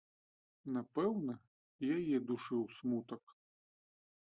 Напэўна, і яе душыў смутак.